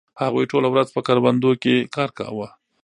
هغوی ټوله ورځ په کروندو کې کار کاوه.